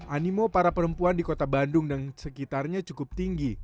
animo para perempuan di kota bandung dan sekitarnya cukup tinggi